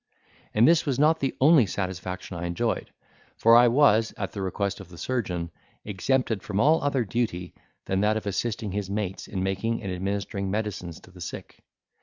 And this was not the only satisfaction I enjoyed, for I was, at the request of the surgeon, exempted from all other duty than that of assisting his mates, in making and administering medicines to the sick.